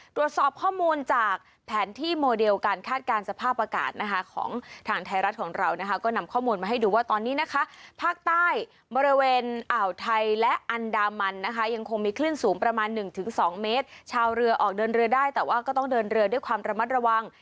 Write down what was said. ตรวจสอบข้อมูลจากแผนที่โมเดลการคาดการณ์สภาพอากาศนะคะของทางไทยรัฐของเรานะคะก็นำข้อมูลมาให้ดูว่าตอนนี้นะคะภาคใต้บริเวณอ่าวไทยและอันดามันนะคะยังคงมีคลื่นสูงประมาณหนึ่งถึงสองเมตรชาวเรือออกเดินเรือได้แต่ว่าก็ต้องเดินเรือด้วยความระมัดระวัง